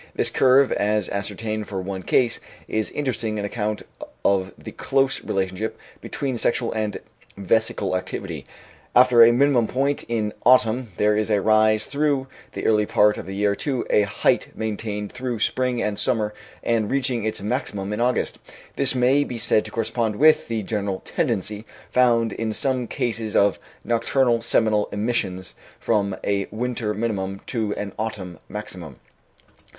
This curve, as ascertained for one case, is interesting on account of the close relationship between sexual and vesical activity. After a minimum point in autumn there is a rise through the early part of the year to a height maintained through spring and summer, and reaching its maximum in August. This may be said to correspond with the general tendency found in some cases of nocturnal seminal emissions from a winter minimum to an autumn maximum.